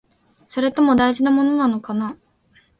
それとも、大事なものかな？